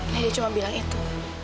nedi cuma bilang itu